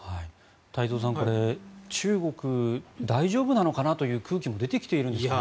太蔵さん、これ中国、大丈夫なのかなという空気も出てきているんですかね。